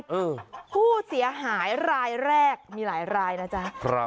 เออผู้เสียหายรายแรกมีหลายรายนะจ๊ะครับ